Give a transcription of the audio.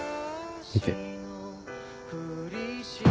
見て。